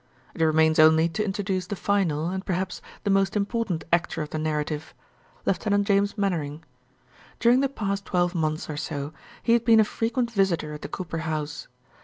It remains only to introduce the final and, perhaps, the most important actor of the narrative Lieut. James Mainwaring. During the past twelve months or so he had been a frequent visitor at the Cooper house.